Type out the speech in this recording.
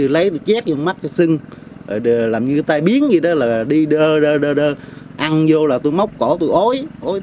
làm như cái tay biến gì đó là đi đơ đơ đơ đơ ăn vô là tôi móc cổ tôi ối